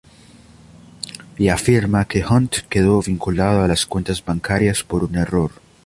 Y afirma que Hunt quedó vinculado a las cuentas bancarias por un error.